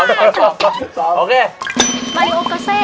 บาลิโอกาเซ